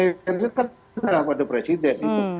ya keputusan akhirnya kan ada pada presiden